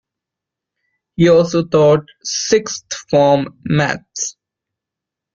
He also taught sixth-form maths.